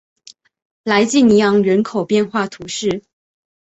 莱济尼昂人口变化图示